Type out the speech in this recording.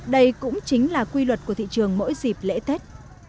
đây cũng chính là quy luật của thị trường mỗi dịp lễ tết